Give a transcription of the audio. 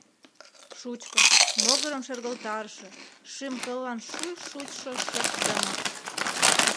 Шучко, могырым шергылтарыше, шӱм-кыллан шуй чучшо шып-тымык.